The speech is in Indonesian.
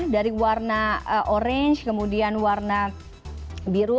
dari warna orange kemudian warna biru